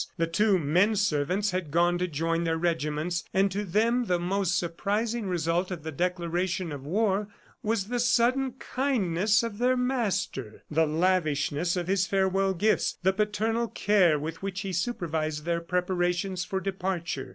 The two men servants had gone to join their regiments, and to them the most surprising result of the declaration of war was the sudden kindness of their master, the lavishness of his farewell gifts, the paternal care with which he supervised their preparations for departure.